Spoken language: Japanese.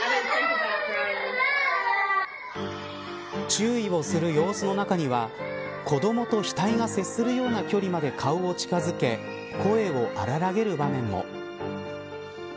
注意をする様子の中には子どもと額が接するような距離まで顔を近づけ声を荒らげる場面も。